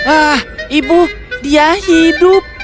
ah ibu dia hidup